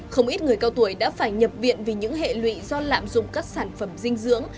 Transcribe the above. không ít người cao tuổi đã phải nhập viện vì những hệ lụy do lạm dụng các sản phẩm dinh dưỡng